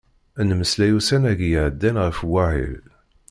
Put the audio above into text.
Nemmeslay ussan-agi iɛeddan ɣef wahil.